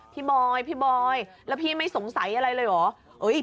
บอยพี่บอยแล้วพี่ไม่สงสัยอะไรเลยเหรอ